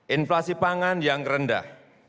inflasi pangan yang rendah